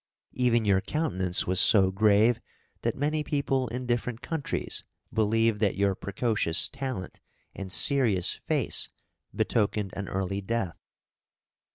Even your countenance was so grave that many people in different countries believed that your precocious talent and serious face betokened an early death.